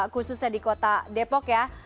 khususnya di kota depok ya